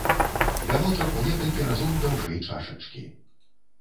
Вяночак у некалькі разоў даўжэй чашачкі.